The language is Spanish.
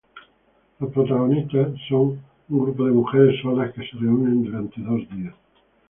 Las protagonistas son un grupo de mujeres solas que se reúnen durante dos días.